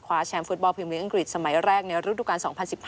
คว้าแชมป์ฟุตบอลภิมิตรอังกฤษสมัยแรกในรุดการ๒๐๑๕๒๐๑๖